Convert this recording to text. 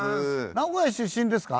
名古屋出身ですか？